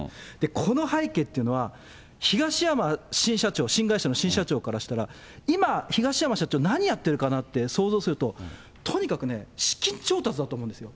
この背景っていうのは、東山新社長、新会社の新社長からしたら、今、東山社長、何やってるかなって想像すると、とにかくね、資金調達だと思うんですよ。